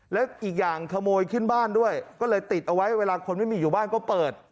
แล้วอีกอย่างขโมยขึ้นบ้านด้วยก็เลยติดเอาไว้เวลาคนไม่มีอยู่บ้านก็เปิด